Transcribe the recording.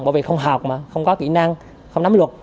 bởi vì không học mà không có kỹ năng không nắm luật